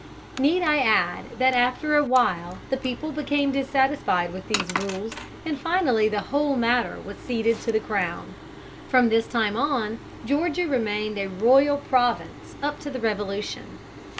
Need I add that after a while the people became dissatisfied with these rules and finally the whole matter was ceded to the crown? From this time on Georgia remained a royal province up to the Revolution.